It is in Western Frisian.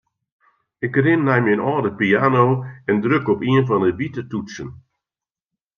Ik rin nei myn âlde piano en druk op ien fan 'e wite toetsen.